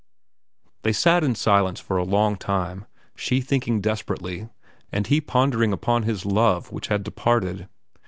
They sat in silence for a long time, she thinking desperately and he pondering upon his love which had departed.